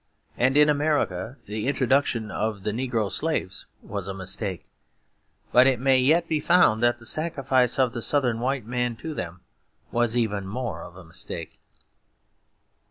And in America the introduction of the negroes was a mistake; but it may yet be found that the sacrifice of the Southern white man to them was even more of a mistake.